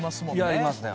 やりますね。